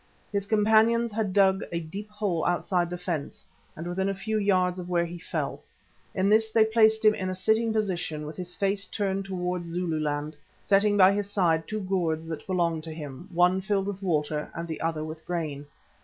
His companions had dug a deep hole outside the fence and within a few yards of where he fell. In this they placed him in a sitting position with his face turned towards Zululand, setting by his side two gourds that belonged to him, one filled with water and the other with grain.